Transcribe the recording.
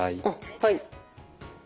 はい。